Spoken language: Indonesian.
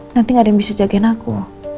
nanti gak ada yang bisa jagain aku